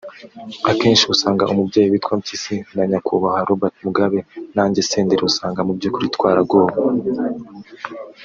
Akenshi usanga umubyeyi witwa Mpyisi na Nyakubahwa Robert Mugabe nanjye Senderi usanga mu by’ukuri twaragowe